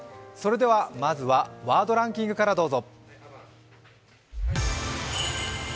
まずはワードランキングからどうぞ。